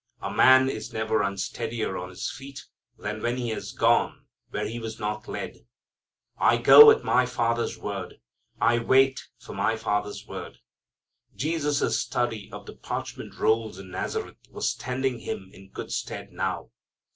A man is never unsteadier on his feet than when he has gone where he was not led. "I go at my Father's word." "I wait for my Father's word." Jesus' study of the parchment rolls in Nazareth was standing Him in good stead now.